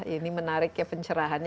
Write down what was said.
ini menariknya pencerahannya